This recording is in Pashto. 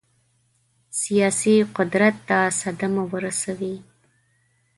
سیاسي قدرت ته صدمه ورسوي.